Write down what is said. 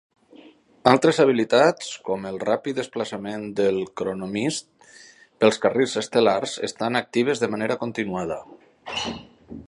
Altres habilitats, com el ràpid desplaçament del Chronomyst pels carrils estel·lars, estan actives de manera continuada.